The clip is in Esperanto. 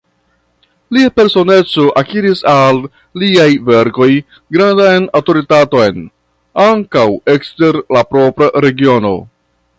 Lia personeco akiris al liaj verkoj grandan aŭtoritaton ankaŭ ekster la propra regiono.